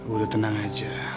udah tenang aja